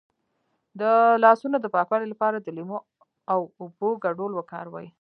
د لاسونو د پاکوالي لپاره د لیمو او اوبو ګډول وکاروئ